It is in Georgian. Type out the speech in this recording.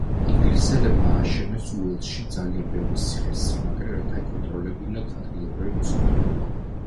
ინგლისელებმა ააშენეს უელსში ძალიან ბევრი ციხე-სიმაგრე რათა ეკონტროლებინათ ადგილობრივი მოსახლეობა.